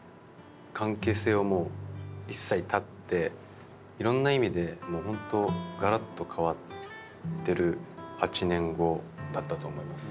関係性をもう一切絶っていろんな意味でホントがらっと変わってる８年後だったと思います。